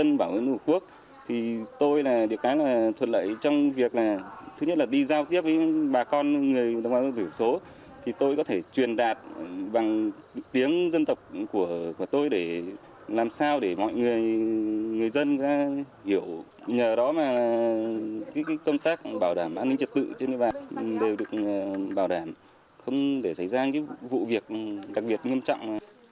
nhờ đó mà công tác bảo đảm an ninh trật tự trên địa bàn đều được bảo đảm không để xảy ra vụ việc đặc biệt nghiêm trọng